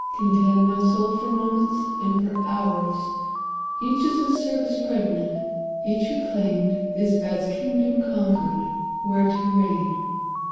Contend, my soul, for moments and for hours; Each is with service pregnant; each reclaimed Is as a kingdom conquered, where to reign.